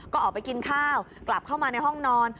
ก็ออกไปกินข้าวกลับเข้ามาในห้องนอน